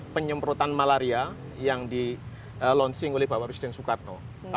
penyemprotan malaria yang di launching oleh bapak presiden soekarno